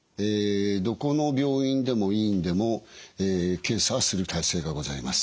どこの病院でも医院でも検査をする体制がございます。